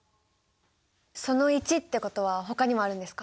「その１」ってことはほかにもあるんですか？